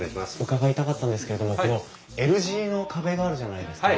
伺いたかったんですけれどもこのＬ字の壁があるじゃないですか。